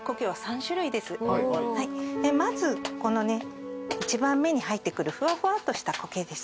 まずこのね一番目に入ってくるふわふわっとした苔ですね。